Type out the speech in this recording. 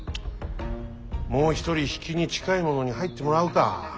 もう一人比企に近い者に入ってもらうか。